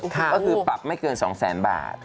ก็คือปรับไม่เกิน๒แสนบาท